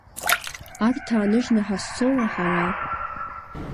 Арҭ ааныжьны ҳазцома ҳара?